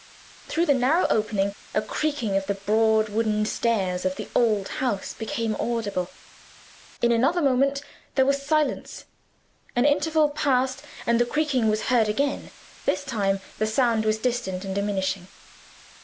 Through the narrow opening, a creaking of the broad wooden stairs of the old house became audible. In another moment there was silence. An interval passed, and the creaking was heard again. This time, the sound was distant and diminishing.